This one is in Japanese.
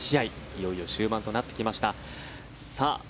いよいよ終盤となってきました。